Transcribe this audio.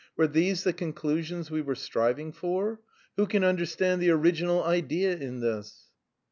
"Were these the conclusions we were striving for? Who can understand the original idea in this?"